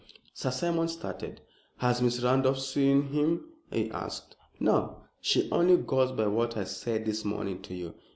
Sir Simon started. "Has Miss Randolph seen him?" he asked. "No. She only goes by what I said this morning to you.